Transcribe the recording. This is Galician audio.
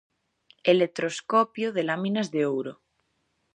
Electroscopio de láminas de ouro.